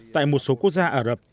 tại một số quốc gia ả rập